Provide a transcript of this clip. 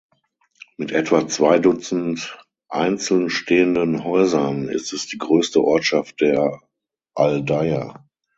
Mit etwa zwei Dutzend einzeln stehenden Häusern ist es die größte Ortschaft der Aldeia.